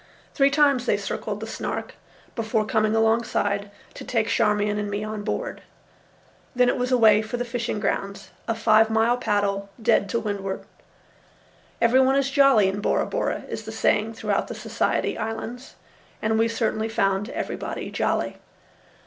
Three times they circled the Snark before coming alongside to take Charmian and me on board. Then it was away for the fishing grounds, a five mile paddle dead to windward. "Everybody is jolly in Bora Bora," is the saying throughout the Society Islands, and we certainly found everybody jolly.